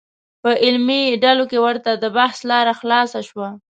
په علمي ډلو کې ورته د بحث لاره خلاصه شوه.